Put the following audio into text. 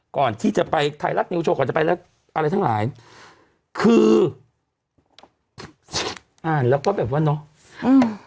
ก่อนที่จะไปไทยรัฐนิวโชว์ก่อนจะไปแล้วอะไรทั้งหลายคืออ่านแล้วก็แบบว่าเนอะอืม